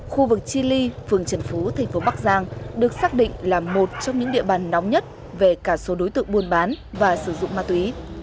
khu vực chi ly phường trần phú thành phố bắc giang được xác định là một trong những địa bàn nóng nhất về cả số đối tượng buôn bán và sử dụng ma túy